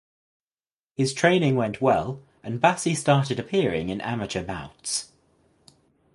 His training went well and Bassi started appearing in amateur bouts.